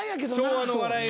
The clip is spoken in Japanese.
昭和の笑い？